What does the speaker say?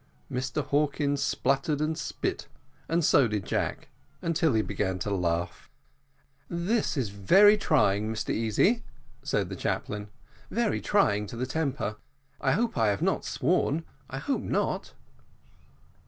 Mr Hawkins spluttered and spit, and so did Jack, until he began to laugh. "This is very trying, Mr Easy," said the chaplain: "very trying indeed to the temper. I hope I have not sworn I hope not."